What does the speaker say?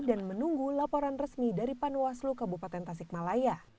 dan menunggu laporan resmi dari panwaslu kabupaten tasikmalaya